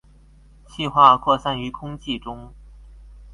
汽化擴散於空氣中